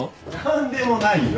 何でもないよ。